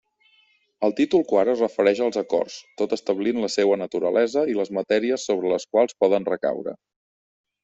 El títol quart es refereix als acords, tot establint la seua naturalesa i les matèries sobre les quals poden recaure.